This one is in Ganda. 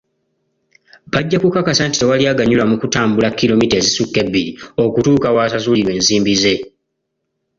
Bajja kukakasa nti tewali aganyulwa mu kutambula kiromita ezisukka ebiri okutuuka w'asasulirwa ensimbi ze.